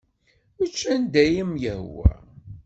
Ečč anda ay am-yehwa.